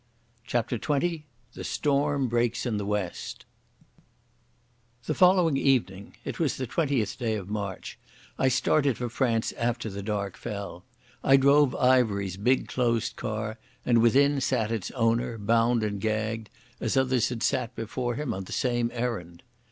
CHAPTER XX The Storm Breaks in the West The following evening—it was the 20th day of March—I started for France after the dark fell. I drove Ivery's big closed car, and within sat its owner, bound and gagged, as others had sat before him on the same errand.